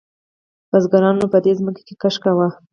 بزګرانو به په دې ځمکو کې کښت کاوه.